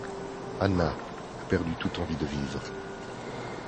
Anna a perdu toute envie de vivre.